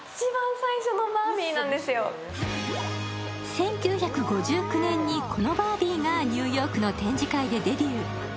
１９５９年にこのバービーがニューヨークの展示会でデビュー。